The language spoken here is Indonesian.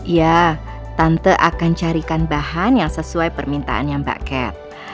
ya tante akan carikan bahan yang sesuai permintaannya mbak cat